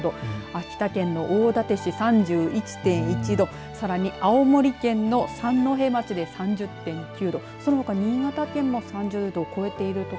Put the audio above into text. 秋田県の大館市３１．１度さらに青森県の三戸町で３０．９度そのほか新潟県も３０度を超えている所